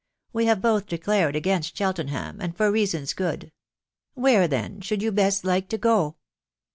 We have both declared against Cheltenham, and for reasons good .... Where then should you best like to go